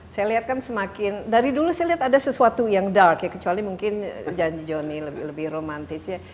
saya lihat kan semakin dari dulu saya lihat ada sesuatu yang dark ya kecuali mungkin janji johnny lebih romantis ya